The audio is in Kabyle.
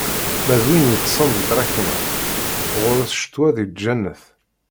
Ma d win yeṭṭsen di tṛakna, ɣur-s ccetwa d lǧennet.